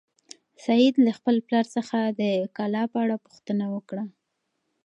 سعید له خپل پلار څخه د کلا په اړه پوښتنه وکړه.